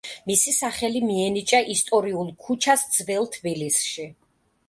მისი სახელი მიენიჭა ისტორიულ ქუჩას ძველ თბილისში.